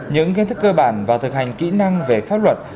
những kiến thức cơ bản và thực hành kỹ năng về pháp luật